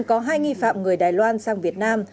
có hai nghi phạm người đài loan sang việt nam